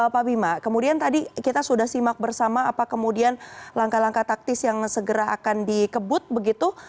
pak bima kemudian tadi kita sudah simak bersama apa kemudian langkah langkah taktis yang segera akan dikebut begitu